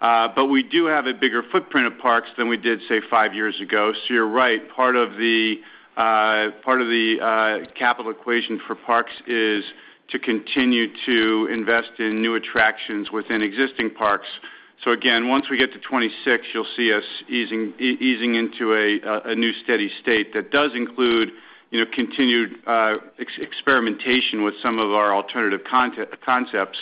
But we do have a bigger footprint of parks than we did, say, five years ago. So you're right. Part of the capital equation for parks is to continue to invest in new attractions within existing parks. So again, once we get to 2026, you'll see us easing into a new steady state that does include continued experimentation with some of our alternative concepts.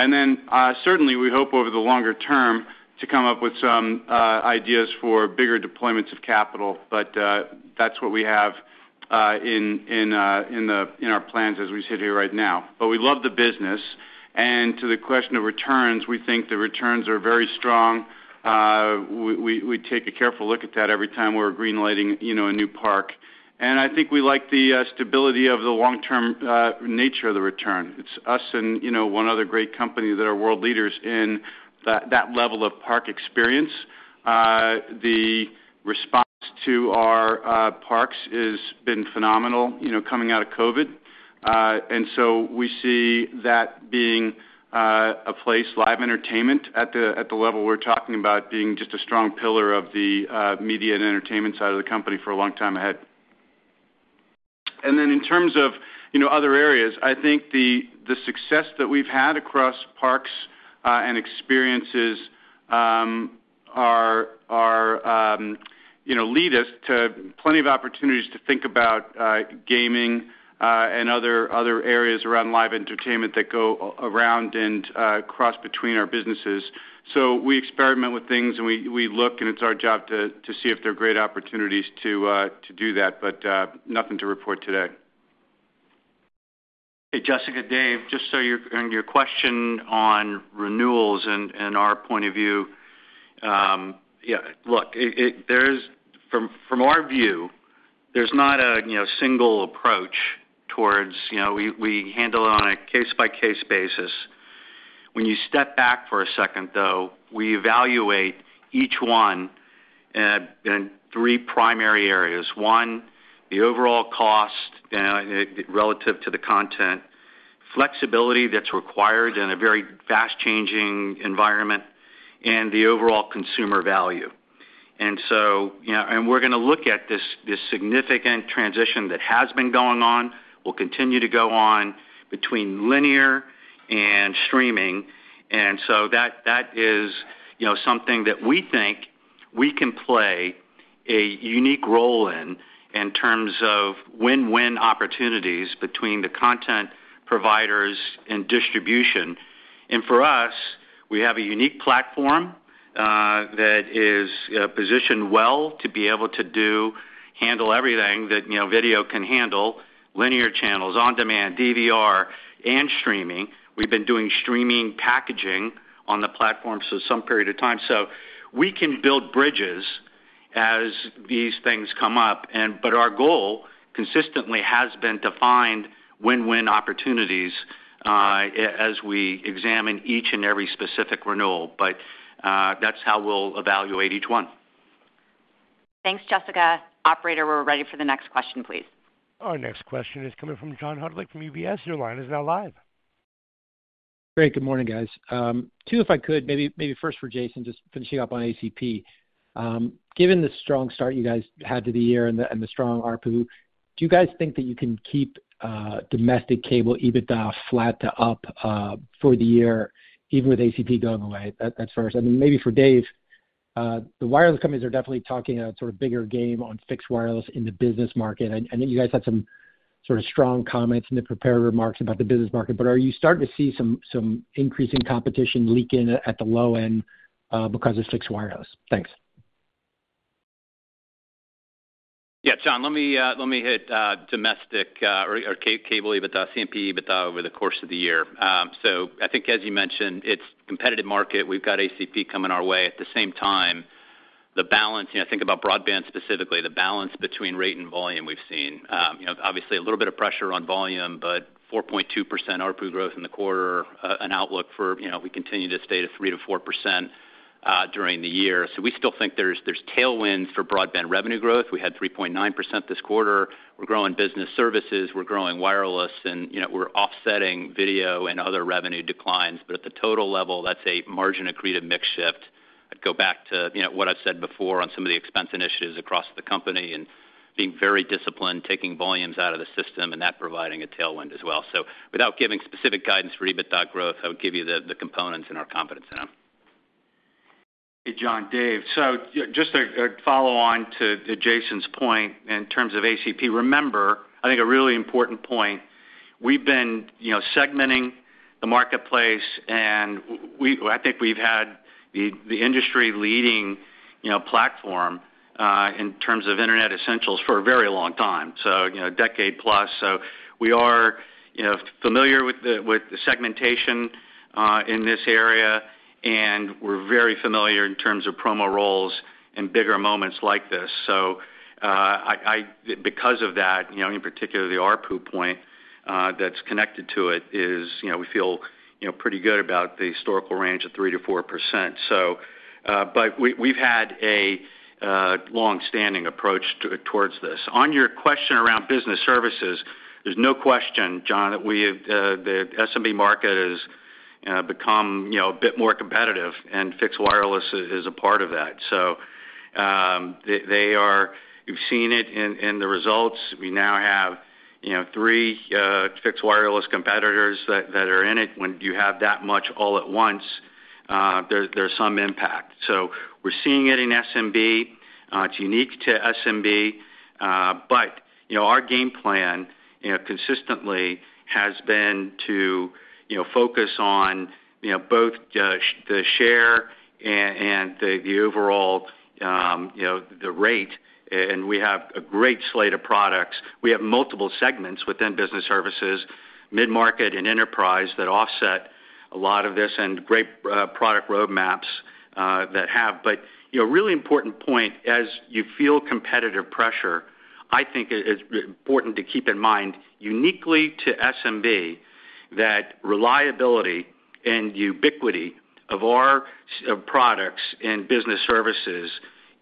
And then certainly, we hope over the longer term to come up with some ideas for bigger deployments of capital. But that's what we have in our plans, as we sit here right now. But we love the business. And to the question of returns, we think the returns are very strong. We take a careful look at that every time we're greenlighting a new park. And I think we like the stability of the long-term nature of the return. It's us and one other great company that are world leaders in that level of park experience. The response to our parks has been phenomenal coming out of COVID. And so we see that being a place, live entertainment, at the level we're talking about being just a strong pillar of the media and entertainment side of the company for a long time ahead. And then in terms of other areas, I think the success that we've had across parks and experiences lead us to plenty of opportunities to think about gaming and other areas around live entertainment that go around and cross between our businesses. So we experiment with things, and we look, and it's our job to see if there are great opportunities to do that. But nothing to report today. Hey, Jessica. Dave, just so you're on your question on renewals and our point of view, yeah, look, from our view, there's not a single approach toward how we handle it on a case-by-case basis. When you step back for a second, though, we evaluate each one in three primary areas: one, the overall cost relative to the content, flexibility that's required in a very fast-changing environment, and the overall consumer value. We're going to look at this significant transition that has been going on, will continue to go on, between linear and streaming. So that is something that we think we can play a unique role in in terms of win-win opportunities between the content providers and distribution. For us, we have a unique platform that is positioned well to be able to handle everything that video can handle: linear channels, on-demand, DVR, and streaming. We've been doing streaming packaging on the platform for some period of time. We can build bridges as these things come up. But our goal consistently has been to find win-win opportunities as we examine each and every specific renewal. But that's how we'll evaluate each one. Thanks, Jessica. Operator, we're ready for the next question, please. Our next question is coming from John Hodulik from UBS. Your line is now live. Great. Good morning, guys. Too, if I could, maybe first for Jason, just finishing up on ACP. Given the strong start you guys had to the year and the strong ARPU, do you guys think that you can keep domestic cable EBITDA flat to up for the year even with ACP going away? That's first. And then maybe for Dave, the wireless companies are definitely talking about sort of bigger game on fixed wireless in the business market. I know you guys had some sort of strong comments in the preparatory remarks about the business market. But are you starting to see some increasing competition leak in at the low end because of fixed wireless? Thanks. Yeah, John, let me hit domestic cable EBITDA, CMP EBITDA over the course of the year. So I think, as you mentioned, it's a competitive market. We've got ACP coming our way. At the same time, the balance I think about broadband specifically, the balance between rate and volume we've seen. Obviously, a little bit of pressure on volume, but 4.2% ARPU growth in the quarter, an outlook for if we continue to stay at a 3%-4% during the year. So we still think there's tailwinds for broadband revenue growth. We had 3.9% this quarter. We're growing business services. We're growing wireless. And we're offsetting video and other revenue declines. But at the total level, that's a margin-accretive mix shift. I'd go back to what I've said before on some of the expense initiatives across the company and being very disciplined, taking volumes out of the system, and that providing a tailwind as well. So without giving specific guidance for EBITDA growth, I would give you the components and our confidence in them. Hey, John, Dave. So just to follow on to Jason's point in terms of ACP, remember, I think a really important point, we've been segmenting the marketplace. And I think we've had the industry-leading platform in terms of Internet Essentials for a very long time, so a decade plus. So we are familiar with the segmentation in this area. And we're very familiar in terms of promo roles and bigger moments like this. So because of that, in particular, the ARPU point that's connected to it is we feel pretty good about the historical range of 3%-4%. But we've had a longstanding approach towards this. On your question around business services, there's no question, John, that the SMB market has become a bit more competitive. And fixed wireless is a part of that. So you've seen it in the results. We now have three fixed wireless competitors that are in it. When you have that much all at once, there's some impact. So we're seeing it in SMB. It's unique to SMB. But our game plan consistently has been to focus on both the share and the overall rate. And we have a great slate of products. We have multiple segments within business services, mid-market and enterprise, that offset a lot of this and great product roadmaps that have. But really important point, as you feel competitive pressure, I think it's important to keep in mind, uniquely to SMB, that reliability and ubiquity of our products and business services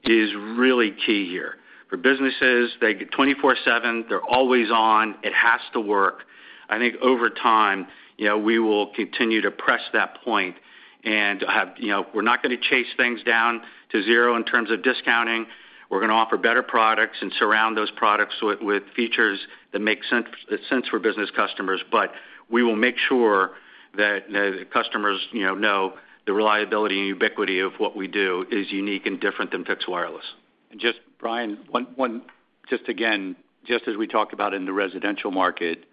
is really key here. For businesses, they get 24/7. They're always on. It has to work. I think over time, we will continue to press that point. And we're not going to chase things down to zero in terms of discounting. We're going to offer better products and surround those products with features that make sense for business customers. But we will make sure that customers know the reliability and ubiquity of what we do is unique and different than fixed wireless. Just, Brian, just again, just as we talked about in the residential market,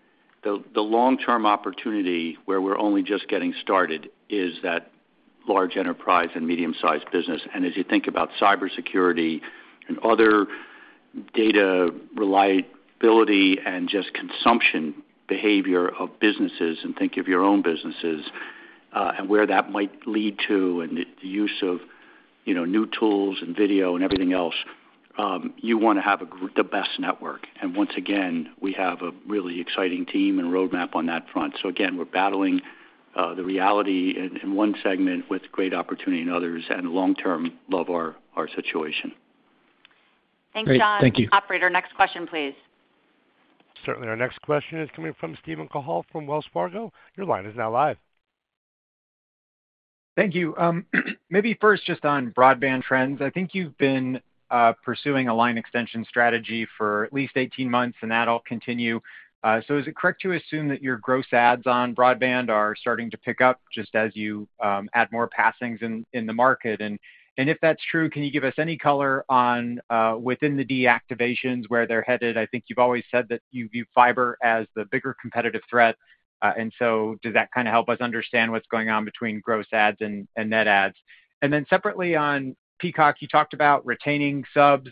the long-term opportunity where we're only just getting started is that large enterprise and medium-sized business. And as you think about cybersecurity and other data reliability and just consumption behavior of businesses and think of your own businesses and where that might lead to and the use of new tools and video and everything else, you want to have the best network. And once again, we have a really exciting team and roadmap on that front. So again, we're battling the reality in one segment with great opportunity in others and, long-term, love our situation. Thanks, John. Great. Thank you. Operator, next question, please. Certainly. Our next question is coming from Steven Cahall from Wells Fargo. Your line is now live. Thank you. Maybe first, just on broadband trends, I think you've been pursuing a line extension strategy for at least 18 months, and that'll continue. So is it correct to assume that your gross adds on broadband are starting to pick up just as you add more passings in the market? And if that's true, can you give us any color on the deactivations, where they're headed? I think you've always said that you view fiber as the bigger competitive threat. And so does that kind of help us understand what's going on between gross adds and net adds? And then separately on Peacock, you talked about retaining subs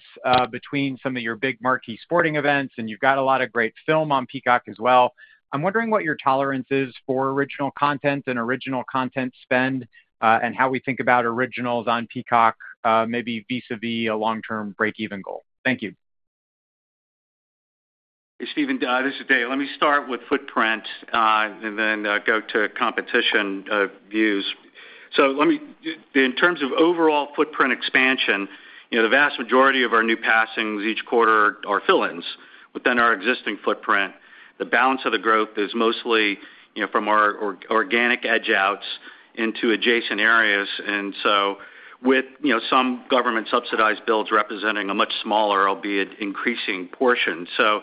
between some of your big marquee sporting events. And you've got a lot of great film on Peacock as well. I'm wondering what your tolerance is for original content and original content spend and how we think about originals on Peacock, maybe vis-à-vis a long-term break-even goal. Thank you. Hey, Stephen. This is Dave. Let me start with footprint and then go to competition views. So in terms of overall footprint expansion, the vast majority of our new passings each quarter are fill-ins within our existing footprint. The balance of the growth is mostly from our organic edge-outs into adjacent areas and so with some government-subsidized builds representing a much smaller, albeit increasing, portion. So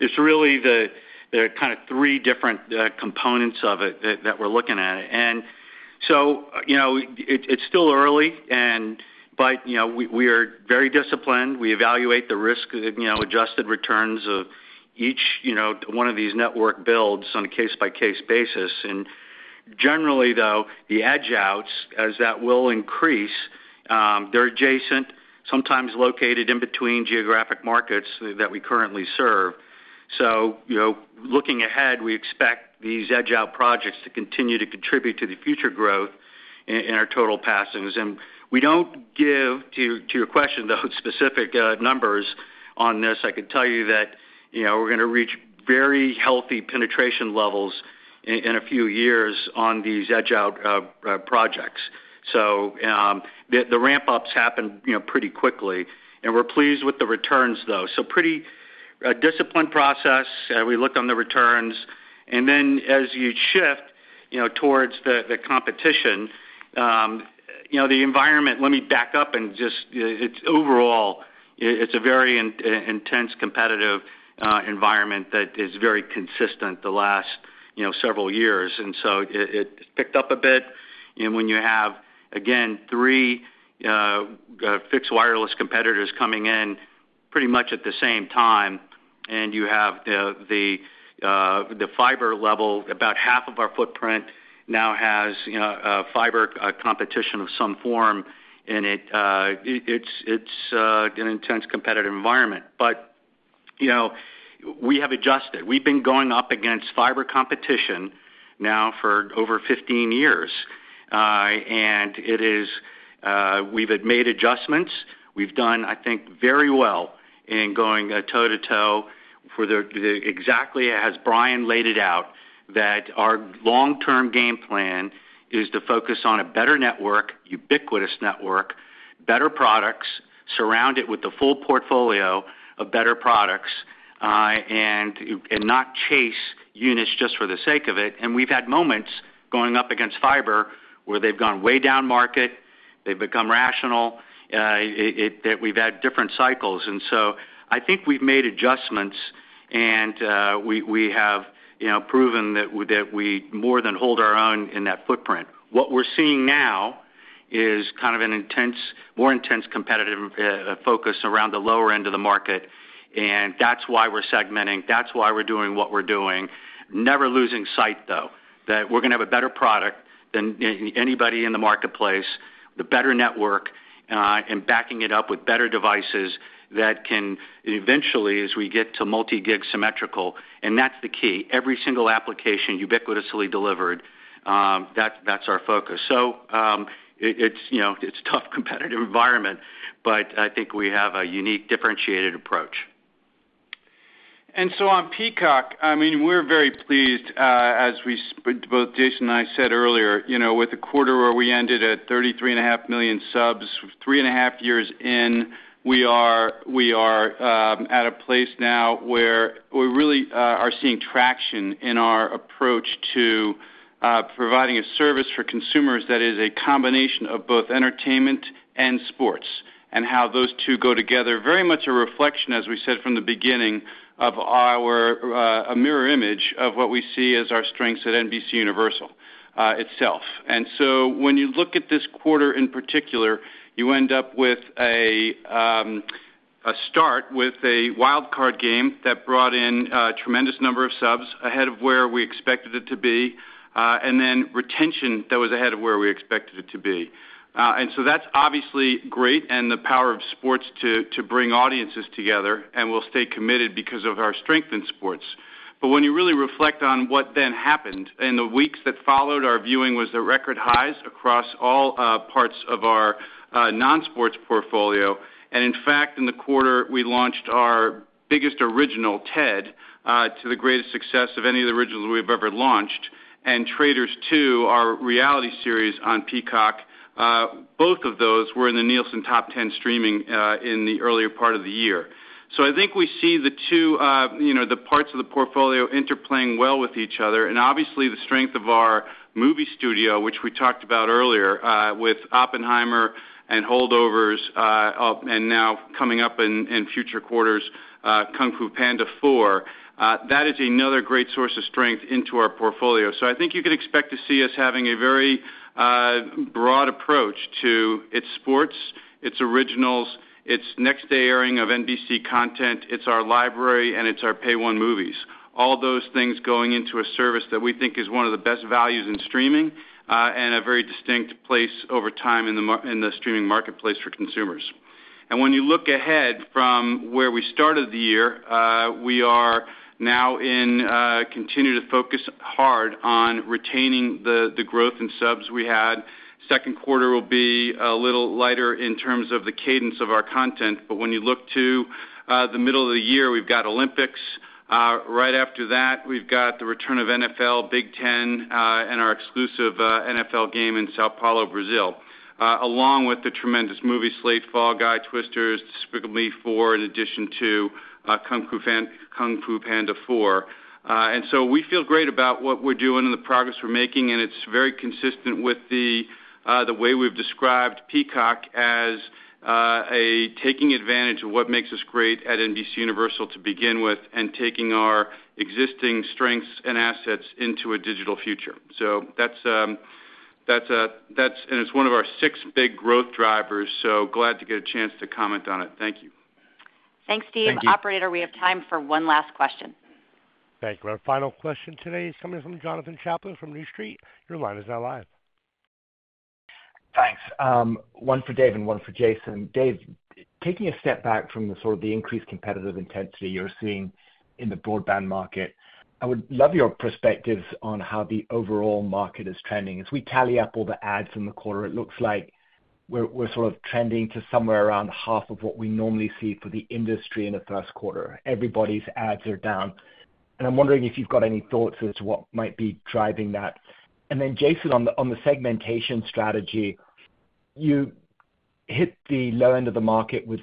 it's really the kind of three different components of it that we're looking at. And so it's still early, but we are very disciplined. We evaluate the risk-adjusted returns of each one of these network builds on a case-by-case basis. And generally, though, the edge-outs, as that will increase, they're adjacent, sometimes located in between geographic markets that we currently serve. So looking ahead, we expect these edge-out projects to continue to contribute to the future growth in our total passings. And we don't give, to your question though, specific numbers on this. I could tell you that we're going to reach very healthy penetration levels in a few years on these edge-outs. So the ramp-ups happened pretty quickly. And we're pleased with the returns, though. So pretty disciplined process. We looked on the returns. And then as you shift towards the competition, the environment let me back up and just it's overall, it's a very intense competitive environment that is very consistent the last several years. And so it's picked up a bit. And when you have, again, three fixed wireless competitors coming in pretty much at the same time, and you have the fiber level, about half of our footprint now has fiber competition of some form. And it's an intense competitive environment. But we have adjusted. We've been going up against fiber competition now for over 15 years. We've made adjustments. We've done, I think, very well in going toe to toe, exactly as Brian laid it out, that our long-term game plan is to focus on a better network, ubiquitous network, better products, surround it with the full portfolio of better products, and not chase units just for the sake of it. We've had moments going up against fiber where they've gone way down market. They've become rational. We've had different cycles. So I think we've made adjustments. We have proven that we more than hold our own in that footprint. What we're seeing now is kind of a more intense competitive focus around the lower end of the market. That's why we're segmenting. That's why we're doing what we're doing, never losing sight, though, that we're going to have a better product than anybody in the marketplace, the better network, and backing it up with better devices that can eventually, as we get to multi-gig symmetrical and that's the key, every single application ubiquitously delivered, that's our focus. So it's a tough competitive environment. But I think we have a unique, differentiated approach. And so on Peacock, I mean, we're very pleased, as both Jason and I said earlier, with the quarter where we ended at 33.5 million subs, 3.5 years in. We are at a place now where we really are seeing traction in our approach to providing a service for consumers that is a combination of both entertainment and sports and how those two go together, very much a reflection, as we said from the beginning, of our mirror image of what we see as our strengths at NBCUniversal itself. And so when you look at this quarter in particular, you end up with a start with a wildcard game that brought in a tremendous number of subs ahead of where we expected it to be and then retention that was ahead of where we expected it to be. So that's obviously great and the power of sports to bring audiences together. We'll stay committed because of our strength in sports. But when you really reflect on what then happened in the weeks that followed, our viewing was at record highs across all parts of our non-sports portfolio. In fact, in the quarter, we launched our biggest original Ted to the greatest success of any of the originals we've ever launched. Traitors two, our reality series on Peacock, both of those were in the Nielsen Top 10 streaming in the earlier part of the year. So I think we see the two parts of the portfolio interplaying well with each other. Obviously, the strength of our movie studio, which we talked about earlier with Oppenheimer and Holdovers and now coming up in future quarters, Kung Fu Panda four, that is another great source of strength into our portfolio. So I think you can expect to see us having a very broad approach to its sports, its originals, its next-day airing of NBC content. It's our library. And it's our pay-one movies, all those things going into a service that we think is one of the best values in streaming and a very distinct place over time in the streaming marketplace for consumers. When you look ahead from where we started the year, we now continue to focus hard on retaining the growth in subs we had. Second quarter will be a little lighter in terms of the cadence of our content. But when you look to the middle of the year, we've got Olympics. Right after that, we've got the return of NFL, Big Ten, and our exclusive NFL game in São Paulo, Brazil, along with the tremendous movie slate The Fall Guy, Twisters, Despicable Me four, in addition to Kung Fu Panda four. And so we feel great about what we're doing and the progress we're making. And it's very consistent with the way we've described Peacock as taking advantage of what makes us great at NBCUniversal to begin with and taking our existing strengths and assets into a digital future. So that's, and it's one of our six big growth drivers. So glad to get a chance to comment on it. Thank you. Thanks, Steve. Operator, we have time for one last question. Thank you. Our final question today is coming from Jonathan Chaplin from New Street. Your line is now live. Thanks. One for Dave and one for Jason. Dave, taking a step back from sort of the increased competitive intensity you're seeing in the broadband market, I would love your perspectives on how the overall market is trending. As we tally up all the ads in the quarter, it looks like we're sort of trending to somewhere around half of what we normally see for the industry in the first quarter. Everybody's ads are down. I'm wondering if you've got any thoughts as to what might be driving that. Then Jason, on the segmentation strategy, you hit the low end of the market with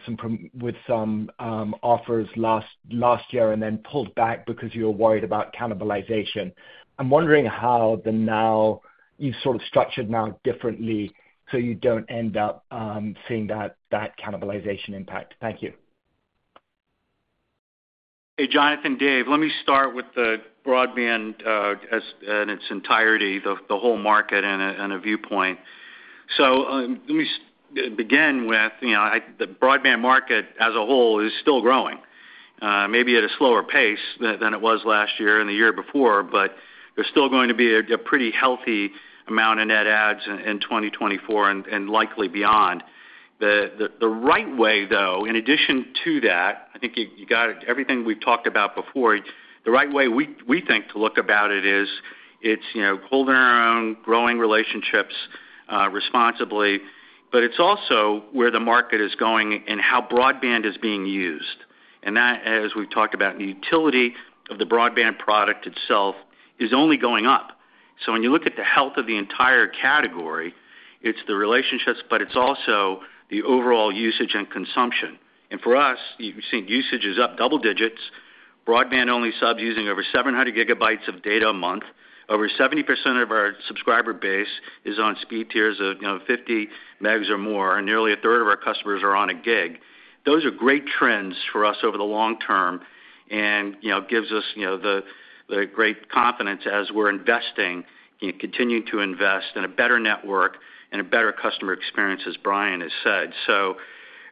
some offers last year and then pulled back because you were worried about cannibalization. I'm wondering how the NOW you've sort of structured NOW differently so you don't end up seeing that cannibalization impact. Thank you. Hey, Jonathan, Dave, let me start with the broadband in its entirety, the whole market, and a viewpoint. So let me begin with the broadband market as a whole is still growing, maybe at a slower pace than it was last year and the year before. But there's still going to be a pretty healthy amount of net adds in 2024 and likely beyond. The right way, though, in addition to that, I think you got everything we've talked about before. The right way we think to look about it is it's holding our own, growing relationships responsibly. But it's also where the market is going and how broadband is being used. And that, as we've talked about, the utility of the broadband product itself is only going up. So when you look at the health of the entire category, it's the relationships, but it's also the overall usage and consumption. And for us, you've seen usage is up double digits. Broadband-only subs using over 700 GB of data a month, over 70% of our subscriber base is on speed tiers of 50 megs or more. Nearly a third of our customers are on a gig. Those are great trends for us over the long term and gives us the great confidence as we're investing, continuing to invest in a better network and a better customer experience, as Brian has said. So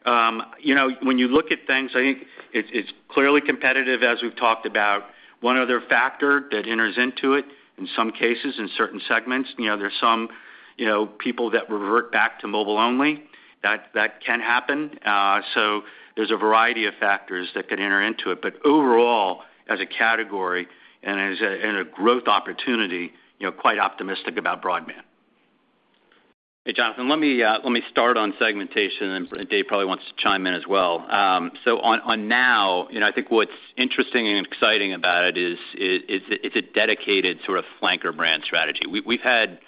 when you look at things, I think it's clearly competitive, as we've talked about. One other factor that enters into it in some cases, in certain segments, there's some people that revert back to mobile-only. That can happen. There's a variety of factors that could enter into it. Overall, as a category and as a growth opportunity, quite optimistic about broadband. Hey, Jonathan. Let me start on segmentation. And Dave probably wants to chime in as well. So on NOW, I think what's interesting and exciting about it is it's a dedicated sort of flanker brand strategy. We've had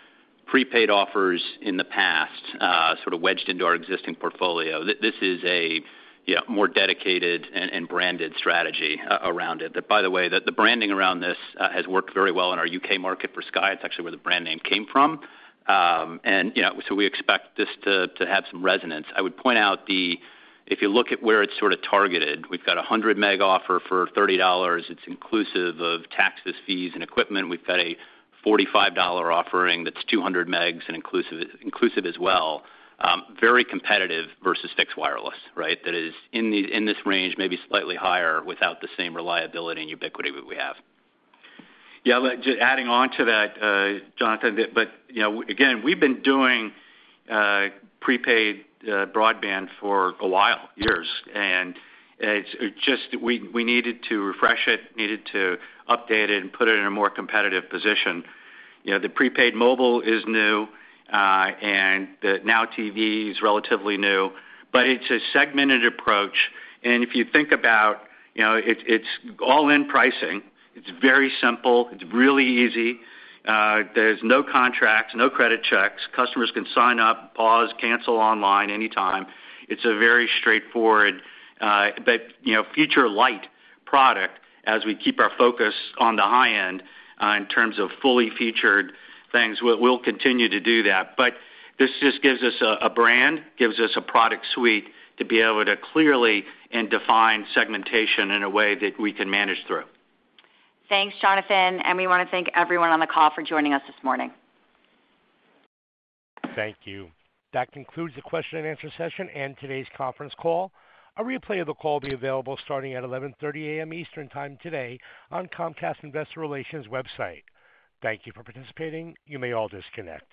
prepaid offers in the past sort of wedged into our existing portfolio. This is a more dedicated and branded strategy around it. By the way, the branding around this has worked very well in our UK market for Sky. It's actually where the brand name came from. And so we expect this to have some resonance. I would point out that if you look at where it's sort of targeted, we've got a 100 meg offer for $30. It's inclusive of taxes, fees, and equipment. We've got a $45 offering that's 200 megs and inclusive as well, very competitive versus fixed wireless, right, that is in this range, maybe slightly higher without the same reliability and ubiquity that we have. Yeah, just adding on to that, Jonathan, but again, we've been doing prepaid broadband for a while, years. And it's just we needed to refresh it, needed to update it, and put it in a more competitive position. The prepaid mobile is new. And the NOW TV is relatively new. But it's a segmented approach. And if you think about it's all-in pricing. It's very simple. It's really easy. There's no contracts, no credit checks. Customers can sign up, pause, cancel online anytime. It's a very straightforward but future-light product as we keep our focus on the high end in terms of fully featured things. We'll continue to do that. But this just gives us a brand, gives us a product suite to be able to clearly and define segmentation in a way that we can manage through. Thanks, Jonathan. We want to thank everyone on the call for joining us this morning. Thank you. That concludes the question and answer session and today's conference call. A replay of the call will be available starting at 11:30 A.M. Eastern Time today on Comcast Investor Relations website. Thank you for participating. You may all disconnect.